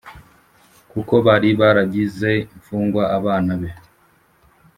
kuko bari baragize imfungwa abana bawe